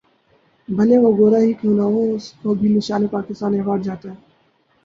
بھلے وہ گورا ہی کیوں نہ ہو اسکو بھی نشان پاکستان ایوارڈ جاتا ہے